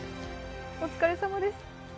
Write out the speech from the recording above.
お疲れさまです。